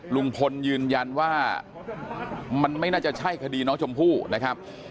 ลุงพลยืนยันว่ามันไม่น่าจะใช่คดีน้องชมพู่นะครับ